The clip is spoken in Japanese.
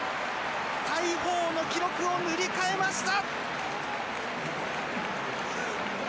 大鵬の記録を塗り替えました。